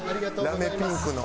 ラメピンクの。